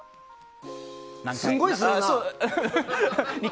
すごいですね。